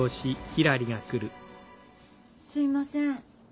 すいません。